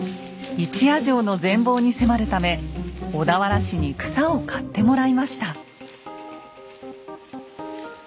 一夜城の全貌に迫るため小田原市に草を刈ってもらいました。